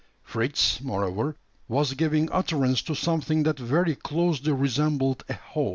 Fritz, moreover, was giving utterance to something that very closely resembled a howl.